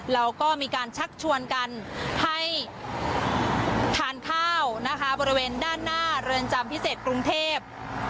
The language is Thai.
แล้วก็มีการชักชวนกันให้ทานข้าวนะคะบริเวณด้านหน้าเรือนจำพิเศษกรุงเทพ